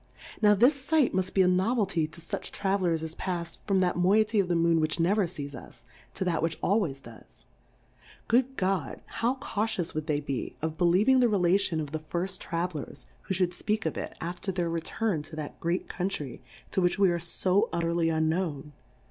Now this Sight muft be a Novelty to fuch Travel lers as pafs from that Moiety of the Moon which never fees us, to t at which al ways does. Good God ! How :autious would they be of believing the Relation of the firil Travellers, wJio fliould fpeak of it after their Return to that great Plurality ^WORLDS. 91 great Country, to wliich we are fo ut terly unknown